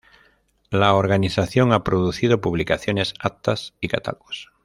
La organización ha producido publicaciones, actas y catálogos.